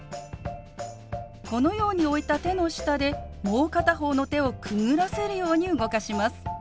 このように置いた手の下でもう片方の手をくぐらせるように動かします。